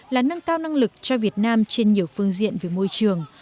là nâng cao năng lực cho việt nam trên nhiều phương diện về môi trường